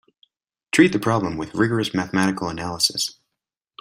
Treat the problem with rigorous mathematical analysis.